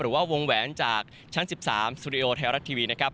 หรือว่าวงแหวนจากชั้น๑๓สุดีโอแท้วรัฐทีวีนะครับ